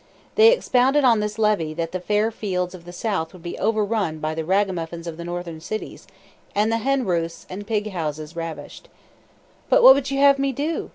They expounded on this levy that the fair fields of the South would be overrun by the ragamuffins of the Northern cities, and the hen roosts and pig houses ravished, etc. "But what would you have me do?"